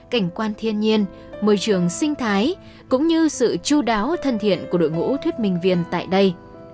cảnh quan thiên nhiên môi trường sinh thái cũng như sự chú đáo thân thiện của đội ngũ thuyết minh viên tại đây